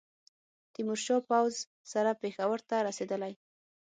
تېمورشاه پوځ سره پېښور ته رسېدلی.